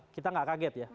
kita gak kaget ya